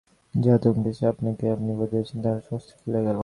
যে আতঙ্কে সে আপনাকে আপনি বঁধিয়াছিল তাহা সমস্তই খুলিয়া গেল।